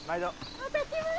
また来ます！